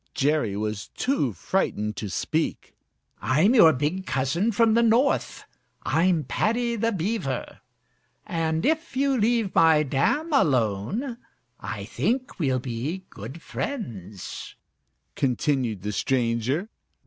Jerry was too frightened to speak. "I'm your big cousin from the North; I'm Paddy the Beaver, and if you leave my dam alone, I think we'll be good friends," continued the stranger.